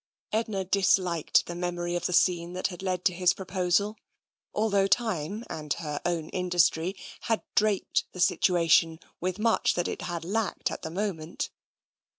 Edna disliked the memory of the scene that had led to his proposal, although time and her own industry had draped the situation with much that it had lacked I40 TENSION at the moment.